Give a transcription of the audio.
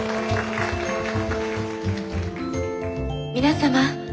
皆様